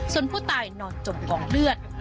ส่วนผู้ตายนอนจมกองเลือด